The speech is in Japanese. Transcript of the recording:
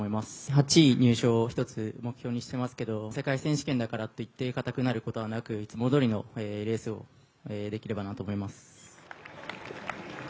８位入賞を一つ、目標にしていますけど、世界選手権だからといってかたくなることはなく、いつもどおりのレースをできればなと思います。